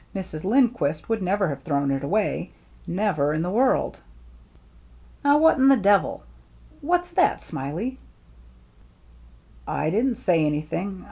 Mrs. Lindquist would never have thrown it away — never in the world. Now what in the devil — what's that. Smiley ?"" I didn't say anything.